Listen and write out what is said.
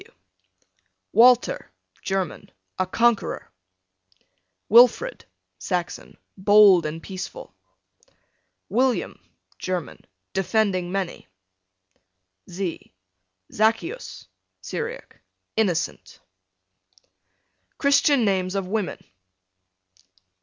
W Walter, German, a conqueror. Wilfred, Saxon, bold and peaceful. William, German, defending many. Z Zaccheus, Syriac, innocent. CHRISTIAN NAMES OF WOMEN.